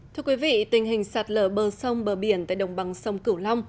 thưa quý vị tình hình sạt lở bờ sông bờ biển tại đồng bằng sông cửu long